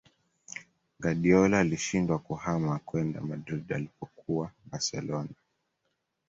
Guardiola alishindwa kuhama kwenda Madrid alipokuwa Barcelona